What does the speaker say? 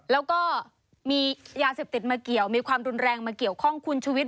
แล้วก็มียาเสพติดมาเกี่ยวมีความรุนแรงมาเกี่ยวข้องคุณชุวิต